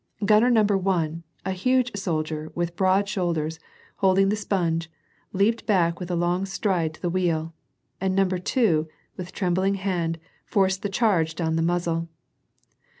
Gunner number one, a huge soldier with broad shoulders, holding the sponge, leaped back with a long stride to the wheel, and number two, with trembling hand, forced the charge down the muzzle.